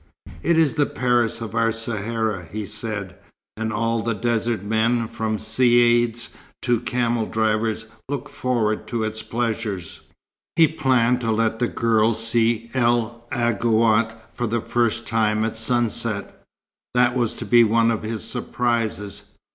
"It is the Paris of our Sahara," he said, "and all the desert men, from Caïds to camel drivers, look forward to its pleasures." He planned to let the girl see El Aghouat for the first time at sunset. That was to be one of his surprises.